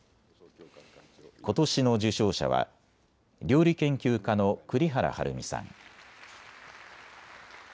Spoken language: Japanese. ことしの受賞者は料理研究家の栗原はるみさん。